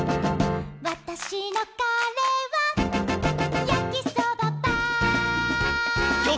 「わたしのかれはやきそばパン」「」